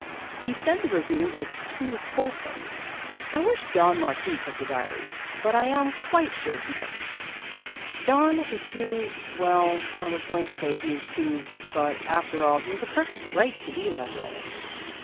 He said the review was too fulsome. I wish Don Marquis kept a diary, but I am quite sure he doesn't. Don is too well, I was going to say he is too but after all he has a perfect right to be that way.